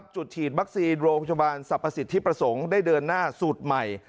จุดฉีดวัคซีนโรงพยาบาลสรรพสิทธิประสงค์ได้เดินหน้าสูตรใหม่